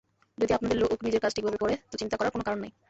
যদি আপনাদের লোক নিজের কাজ ঠিকভাবে করে, তো চিন্তা করার কোনো কারণ নেই।